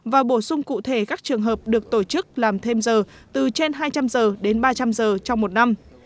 và bổ sung cụ thể các trường hợp được tổ chức làm thêm giờ từ trên hai trăm linh giờ đến ba trăm linh giờ trong một năm